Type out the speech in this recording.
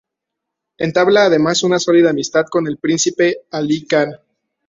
Entabla además una sólida amistad con el príncipe Ali Khan.